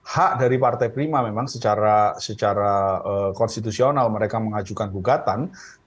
hak dari partai prima memang secara konstitusional mereka mengajukan gugatan